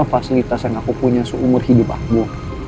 fasilitas yang aku punya seumur hidup aku